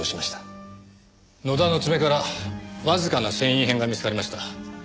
野田の爪からわずかな繊維片が見つかりました。